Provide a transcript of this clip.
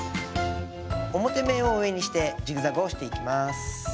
表面を上にしてジグザグをしていきます。